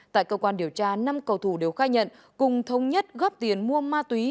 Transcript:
tại cơ quan điều tra năm cầu thủ đều khai nhận cùng thông nhất góp tiền mua ma túy